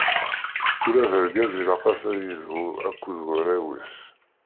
Ula d argaz ilaq-as ad yedhu akked warraw-is.